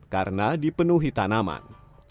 karena dipenuhi tanaman